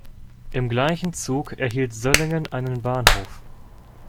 Im gleichen Zug erhielt Söllingen einen Bahnhof.